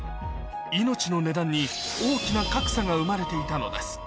命の値段に大きな格差が生まれていたのです